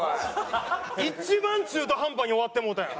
一番中途半端に終わってもうたやん。